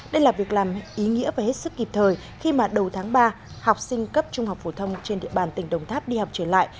đây là việc làm ý nghĩa và hết sức kịp thời khi mà đầu tháng ba học sinh cấp trung học phổ thông trên địa bàn tỉnh đồng tháp đi học trở lại